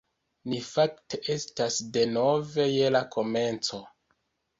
Ni fakte estas denove je la komenco